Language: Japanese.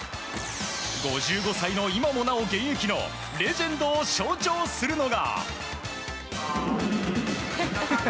５５歳の今もなお現役のレジェンドを象徴するのが。